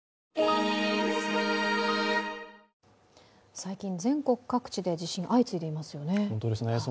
最近、全国各地で地震が相次いでいますよね。